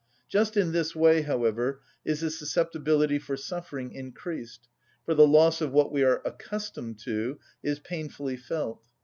Just in this way, however, is the susceptibility for suffering increased, for the loss of what we are accustomed to is painfully felt.